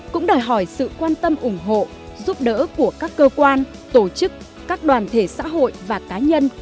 cũng đòi hỏi sự quan tâm ủng hộ giúp đỡ của các cơ quan tổ chức các đoàn thể xã hội và cá nhân